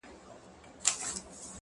د حقیقت ملګرتیا سکون راولي!